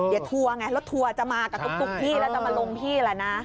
เดี๋ยวทัวร์ไงรถทัวร์จะมากับตุ๊กพี่แล้วจะมาลงพี่แหละนะ